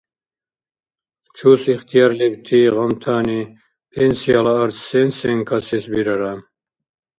Чус ихтияр лебти гъамтани пенсияла арц сен-сен касес бирара?